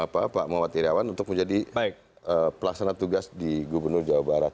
pak muhammad iryawan untuk menjadi pelaksana tugas di gubernur jawa barat